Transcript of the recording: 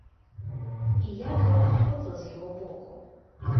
І як гэта подла з яго боку.